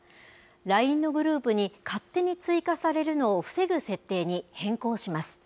ＬＩＮＥのグループに勝手に追加されるのを防ぐ設定に変更します。